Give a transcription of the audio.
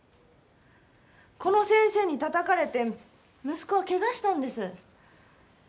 この先生にたたかれて息子は、けがしたんです。